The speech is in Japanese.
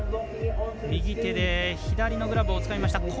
右手で左のグラブをつかみました。